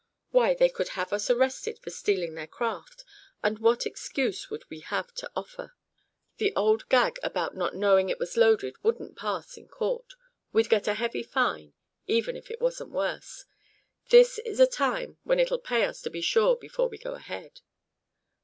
Why, they could have us arrested for stealing their craft; and what excuse would we have to offer? The old gag about not knowing it was loaded wouldn't pass in court. We'd get a heavy fine, even if it wasn't worse. This is a time when it'll pay us to be sure before we go ahead."